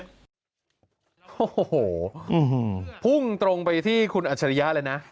โอ้โหพุ่งตรงไปที่คุณอัจฉริยะเลยนะ